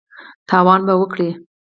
تاوان به وکړې !